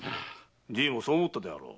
じいもそう思ったであろう。